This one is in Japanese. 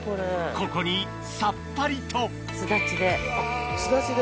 ここにさっぱりとスダチで。